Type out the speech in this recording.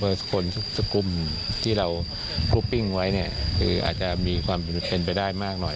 เพราะคนทุกสกุมที่เราครูปิ้งไว้เนี่ยคืออาจจะมีความเป็นไปได้มากหน่อย